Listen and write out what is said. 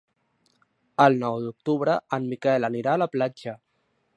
El nou d'octubre en Miquel anirà a la platja.